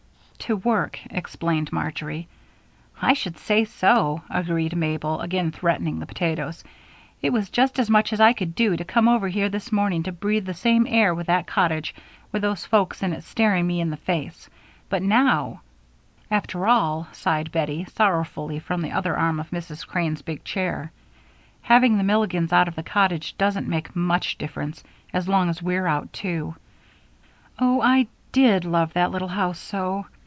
"To work," explained Marjory. "I should say so," agreed Mabel, again threatening the potatoes. "It was just as much as I could do to come over here this morning to breathe the same air with that cottage with those folks in it staring me in the face, but now " "After all," sighed Bettie, sorrowfully, from the other arm of Mrs. Crane's big chair, "having the Milligans out of the cottage doesn't make much difference, as long as we're out, too. Oh, I did love that little house so.